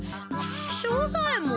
庄左ヱ門。